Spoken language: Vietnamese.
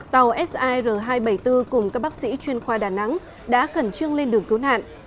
tàu sir hai trăm bảy mươi bốn cùng các bác sĩ chuyên khoa đà nẵng đã khẩn trương lên đường cứu nạn